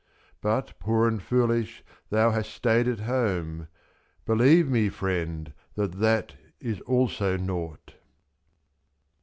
'^?.But, poor and foolish, thou hast stayed at home, Believe me, friend, that that is also nought